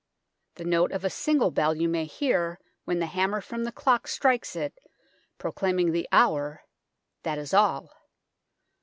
The note of a single bell you may hear when the hammer from the clock strikes it, proclaiming the hour that is all.